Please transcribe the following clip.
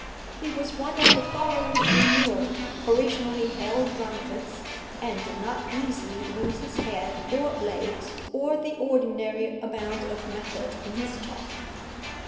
He was one of the thoroughly inured, originally hale drunkards, and did not easily lose his head or legs or the ordinary amount of method in his talk.